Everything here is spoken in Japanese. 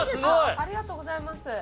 ありがとうございます。